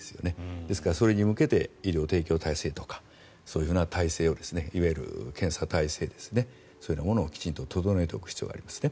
ですからそれに向けて医療提供体制とかそういうふうな体制をいわゆる検査体制ですねそういうものをきちんと整えておく必要がありますね。